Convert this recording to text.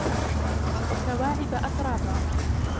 وكواعب أترابا